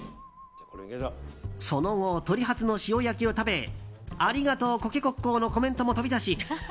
その後、鶏ハツの塩焼きを食べありがとうコケコッコーのコメントも飛び出し